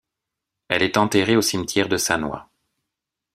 Elle est enterrée au cimetière de Sannois.